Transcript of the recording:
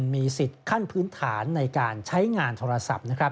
มีสิทธิ์ขั้นพื้นฐานในการใช้งานโทรศัพท์